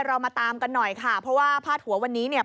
เรามาตามกันหน่อยค่ะเพราะว่าพาดหัววันนี้เนี่ย